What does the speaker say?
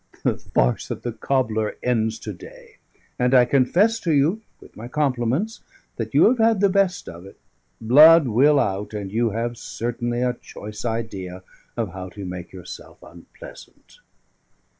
The farce of the cobbler ends to day; and I confess to you (with my compliments) that you have had the best of it. Blood will out; and you have certainly a choice idea of how to make yourself unpleasant."